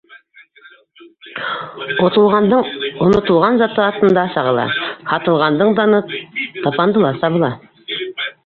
Отолғандың онотолған заты атында сағыла, һатылғандың даны тапандыла табыла.